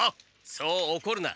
そうおこるな！